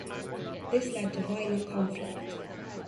This led to violent conflict.